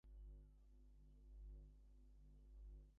This attitude was most prevalent during the rule of Joseph Stalin.